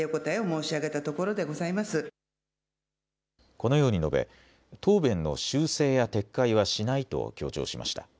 このように述べ、答弁の修正や撤回はしないと強調しました。